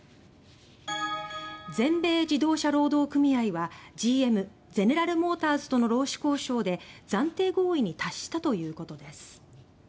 全米自動車労働組合はＧＭ・ゼネラルモーターズとの労使交渉で暫定合意に達したということです。